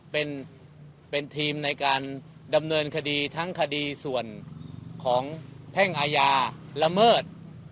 เป็นทีมในการดำเนินคดีทั้งคดีส่วนของแพ่งอาญาละเมิด